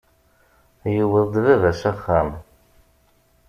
Yewweḍ-d Baba s axxam.